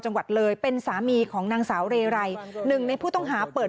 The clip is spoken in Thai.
จังหวัดเลยเป็นสามีของนางสาวเรไรหนึ่งในผู้ต้องหาเปิด